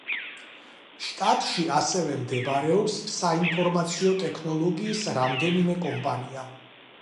შტატში ასევე მდებარეობს საინფორმაციო ტექნოლოგიის რამდენიმე კომპანია.